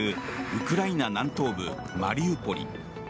ウクライナ南東部マリウポリ。